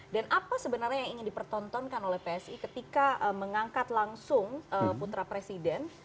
dan apa sebenarnya yang ingin dipertontonkan oleh psi ketika mengangkat langsung putra presiden